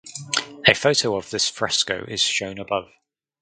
A photo of this fresco is shown above.